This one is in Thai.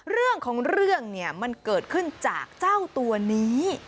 เรื่องของเรื่องเนี่ยมันเกิดขึ้นจากเจ้าตัวนี้